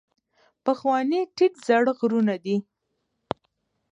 پخواني ټیټ زاړه غرونه دي.